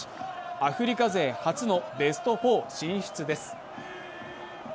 アフリカ勢初のベスト４進出です。